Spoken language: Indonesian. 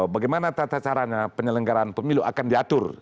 bagaimana tata caranya penyelenggaraan pemilu akan diatur